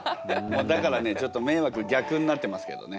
だからねちょっと迷惑逆になってますけどね。